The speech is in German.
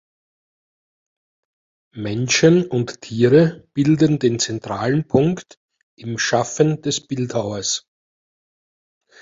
Menschen und Tiere bilden den zentralen Punkt im Schaffen des Bildhauers.